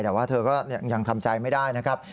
แต่ว่าเธอก็ยังทำใจไม่ได้นะครับ